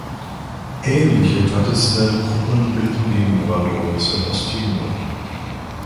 Ähnliche traditionelle Gruppen bilden die Moradores in Osttimor.